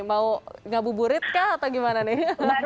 mau ngabuburit kah atau gimana nih